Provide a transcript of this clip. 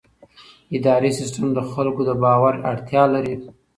اداري سیستم د خلکو د باور اړتیا لري.